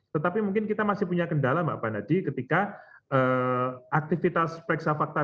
tetapi mungkin kita masih punya kendala mbak nadi ketika aktivitas periksa fakta